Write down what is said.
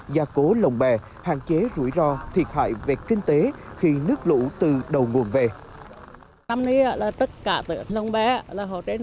gia cố lồng bè hạn chế rủi ro thiệt hại vẹt kinh tế